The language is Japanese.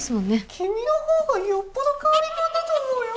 「君の方がよっぽど変わり者だと思うよ」